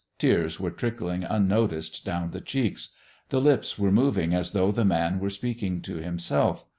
Tears were trickling unnoticed down the cheeks; the lips were moving as though the Man were speaking to himself.